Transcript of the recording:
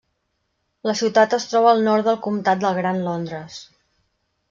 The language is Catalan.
La ciutat es troba al nord del comtat del Gran Londres.